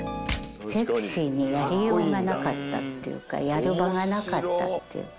セクシーにやりようがなかったっていうかやる場がなかったっていうか。